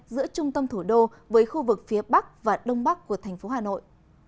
giữa trung tâm thủ đô với khu vực phía bắc và đông bắc của thành phố hà nội